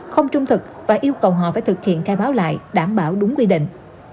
không trung thực và yêu cầu họ phải thực hiện khai báo lại đảm bảo đúng quy định